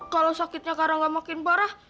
kalau sakitnya karangga makin parah